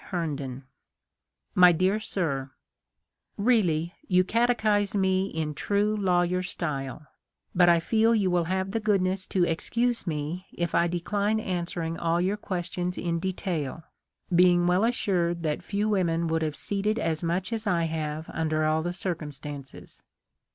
Herndon, "My Dear Sir: Really, you catechise me in true lawyer style ; but I feel you will have the goodness to excuse me if I decline answering all your questions in detail, being well assured that few women would have ceded as much as I have under all the circumstances.